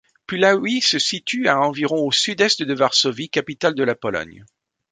Puławy se situe à environ au sud-est de Varsovie, capitale de la Pologne.